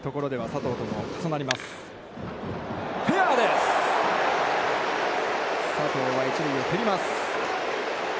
佐藤は一塁を蹴ります。